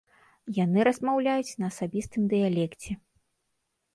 Яны размаўляюць на асабістым дыялекце.